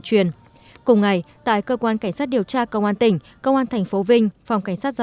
truyền cùng ngày tại cơ quan cảnh sát điều tra công an tỉnh công an thành phố vinh phòng